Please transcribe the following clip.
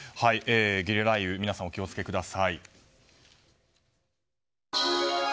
ゲリラ雷雨、皆さんお気を付けください。